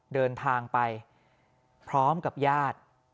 เดินทางไปพร้อมกับญาติ